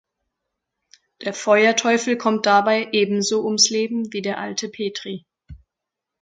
Der Feuerteufel kommt dabei ebenso ums Leben wie der alte Petri.